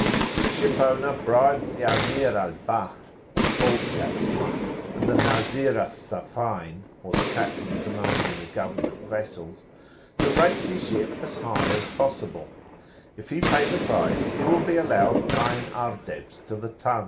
The shipowner bribes the Amir al Bahr, or port captain, and the Nazir al Safayn, or the captain commanding the government vessels, to rate his ship as high as possible; if he pay the price, he will be allowed nine ardebs to the ton.